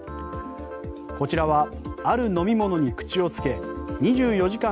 こちらはある飲み物に口をつけ２４時間